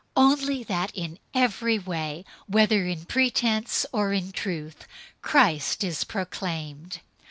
Only that in every way, whether in pretense or in truth, Christ is proclaimed.